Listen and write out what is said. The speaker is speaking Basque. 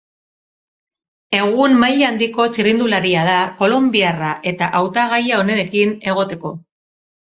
Egun maila handiko txirrindularia da kolonbiarra eta hautagaia onenekin egoteko.